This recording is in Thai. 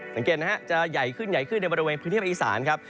สังเกตนะครับจะใหญ่ขึ้นในบริเวณพื้นที่ภาคอีสานครับ